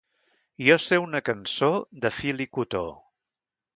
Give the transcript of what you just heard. Jo sé una cançó de fil i cotó...